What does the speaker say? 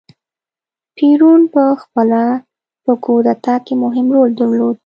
پېرون په خپله په کودتا کې مهم رول درلود.